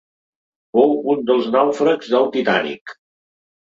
Fou un dels nàufrags del «Titànic».